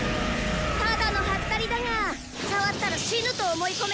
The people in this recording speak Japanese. ただのハッタリだが触ったら死ぬと思い込め。